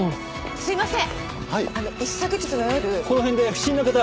すいません。